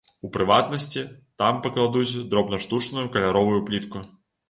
У прыватнасці, там пакладуць дробнаштучную каляровую плітку.